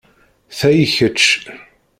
Ta i kečč.